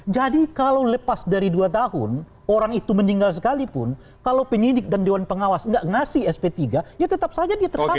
kalau lepas dari dua tahun orang itu meninggal sekalipun kalau penyidik dan dewan pengawas nggak ngasih sp tiga ya tetap saja dia tersangka